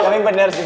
kami benar sih pak